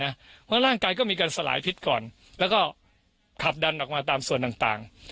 เพราะร่างกายก็มีการสลายพิษก่อนแล้วก็ขับดันออกมาตามส่วนต่าง